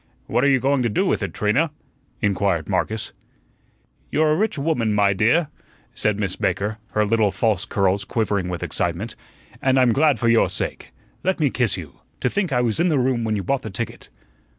"What are you going to do with it, Trina?" inquired Marcus. "You're a rich woman, my dear," said Miss Baker, her little false curls quivering with excitement, "and I'm glad for your sake. Let me kiss you. To think I was in the room when you bought the ticket!"